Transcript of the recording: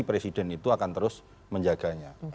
presiden itu akan terus menjaganya